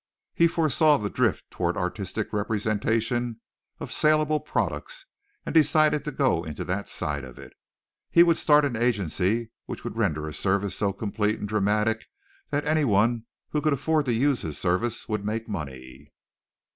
He foresaw the drift toward artistic representation of saleable products, and decided to go into that side of it. He would start an agency which would render a service so complete and dramatic that anyone who could afford to use his service would make money.